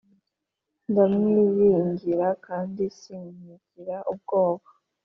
ndamwiringira kandi sinkigira ubwoba,